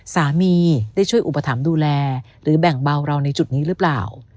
สามีได้ช่วยอุปถัมภ์ดูแลหรือแบ่งเบาเราในจุดนี้หรือเปล่า